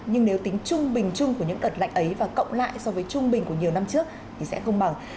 nhưng nếu tính trung bình chung của những đợt lạnh ấy và cộng lại so với trung bình của nhiều năm trước thì sẽ không bằng